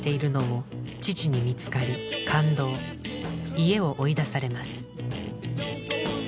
家を追い出されます。